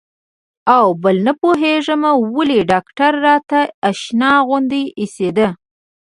او بل نه پوهېږم ولې ډاکتر راته اشنا غوندې اېسېده.